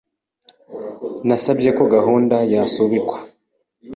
Nasabye ko gahunda yasubikwa.